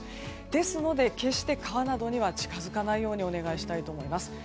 ですので、決して川などには近づかないようにお願いしたいと思います。